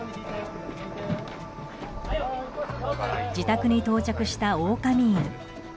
自宅に到着したオオカミ犬。